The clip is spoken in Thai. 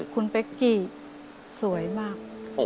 คุณเป๊กกี้สวยมาก